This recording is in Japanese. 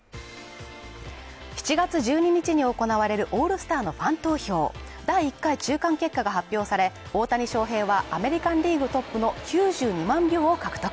７月１２日に行われるオールスターのファン投票第１回中間結果が発表され、大谷翔平はアメリカンリーグトップの９２万票を獲得。